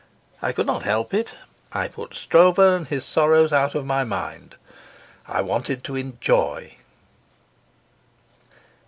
I could not help it; I put Stroeve and his sorrows out of my mind. I wanted to enjoy.